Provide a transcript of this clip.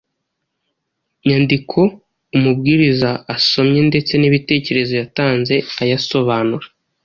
nyandiko umubwiriza asomye ndetse n’ibitekerezo yatanze ayasobanura,